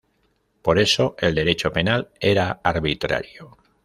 Por eso el derecho penal era arbitrario.